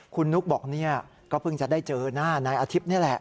คุณนุ๊กบอกเนี่ยก็เพิ่งจะได้เจอหน้านายอาทิตย์นี่แหละ